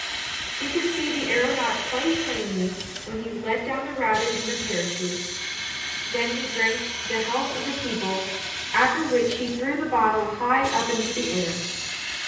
She could see the THE BOTTLE NECK 91 aeronaut quite plainly when he let the rabbit down in the parachute; then he drank the health of the people, after which he threw the bottle high up into the air.